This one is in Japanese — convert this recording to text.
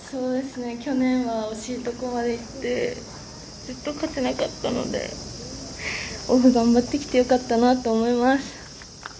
去年は惜しいところまでいってずっと勝てなかったのでオフ頑張ってきてよかったなと思います。